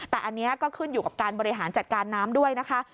แต่อันนี้ก็ขึ้นอยู่กับการบริหารจัดการน้ำด้วยนะคะ